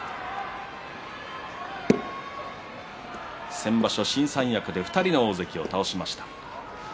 先場所、新三役で２人の大関を倒しました。